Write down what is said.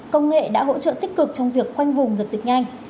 công nghệ đã hỗ trợ tích cực trong việc khoanh vùng dập dịch nhanh